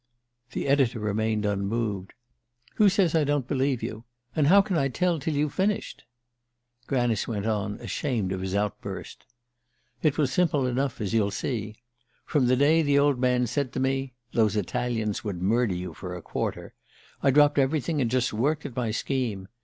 The editor remained unmoved. "Who says I don't believe you? And how can I tell till you've finished?" Granice went on, ashamed of his outburst. "It was simple enough, as you'll see. From the day the old man said to me, 'Those Italians would murder you for a quarter,' I dropped everything and just worked at my scheme.